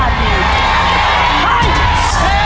แม่งแม่งแม่งแม่งแม่ง